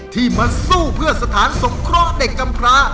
ที่มาสู้เพื่อสถานสงเคราะห์เด็กกำพระ